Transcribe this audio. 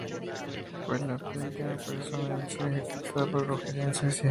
Fue la última persona en ser ejecutada por brujería en Suecia.